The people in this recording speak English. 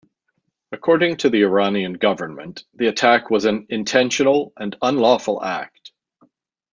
According to the Iranian government, the attack was an intentional and unlawful act.